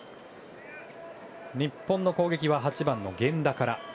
日本の攻撃は８番の源田から。